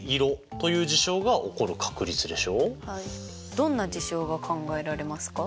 どんな事象が考えられますか？